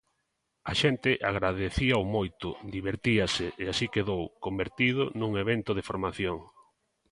A xente agradecíao moito, divertíase..., e así quedou, convertido nun evento de formación.